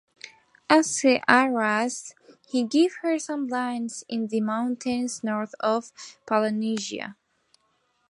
As her "arras" he gave her some lands in the mountains north of Palencia.